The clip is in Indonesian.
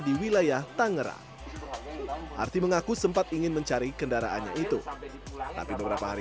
di wilayah tangerang arti mengaku sempat ingin mencari kendaraannya itu tapi beberapa hari